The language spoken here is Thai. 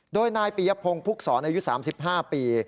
โดยนายปียพงศ์ภูกษอในยุค๓๕ปี